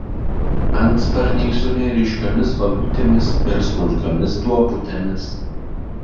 Antsparniai su neryškiomis vagutėmis ir smulkiomis duobutėmis.